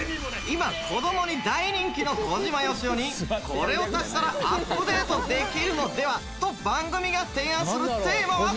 今子どもに大人気の小島よしおにこれを足したらアップデートできるのでは？と番組が提案するテーマは。